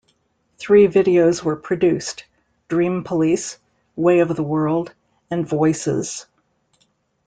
Three videos were produced: "Dream Police", "Way of the World" and "Voices".